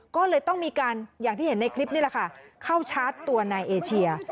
ก็เลยต้องมีการอย่างที่เห็นในคลิปนี่แหละค่ะเข้าชาร์จตัวนายเอเชีย